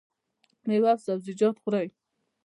میوه او سبزیجات خورئ؟